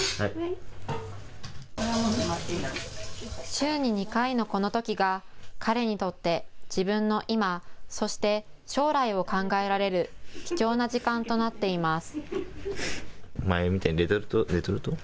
週に２回のこのときが彼にとって自分の今、そして将来を考えられる貴重な時間となっています。